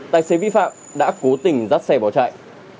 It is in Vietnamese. tài xế vi phạm đã cố tình dắt xe bỏ chạy